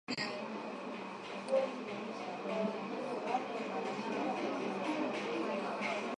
Kupe huingiza vimelea hivyo vya ndigana kali kwa mnyama mwingine